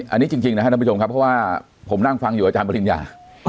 อันนี้จริงนะครับท่านผู้ชมครับเพราะว่าผมนั่งฟังอยู่อาจารย์ปริญญา